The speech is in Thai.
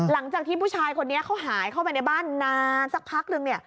หลังจากที่ผู้ชายคนนี้เขาหายเข้าไปในบ้านนานสักพักนึง